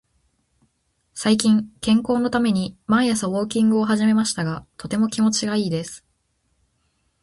最近、健康のために毎朝ウォーキングを始めましたが、とても気持ちがいいです。